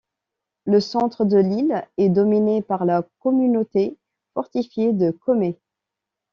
Le centre de l'île est dominé par la communauté fortifiée de Kume.